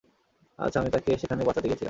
আচ্ছা, আমি তাকে সেখানে বাঁচাতে গিয়েছিলাম।